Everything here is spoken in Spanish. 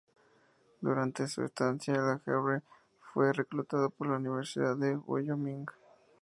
Durante su estancia en Le Havre, fue reclutado por la Universidad de Wyoming.